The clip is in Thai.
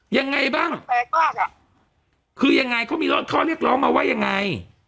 ยังไงบ้างแปลกมากอ่ะคือยังไงเขามีข้อเรียกร้องมาว่ายังไง